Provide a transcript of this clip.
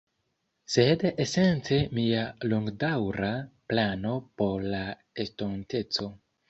Sed esence mia longdaŭra plano por la estonteco